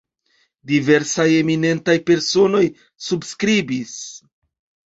Diversaj eminentaj personoj subskribis.